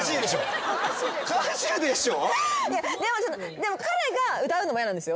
でも彼が歌うのも嫌なんですよ。